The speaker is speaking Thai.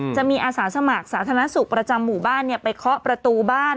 จะมีอาสาสมัครสาธารณสุขประจำหมู่บ้านไปเคาะประตูบ้าน